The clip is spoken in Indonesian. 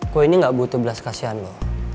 gue ini gak butuh belas kasihan loh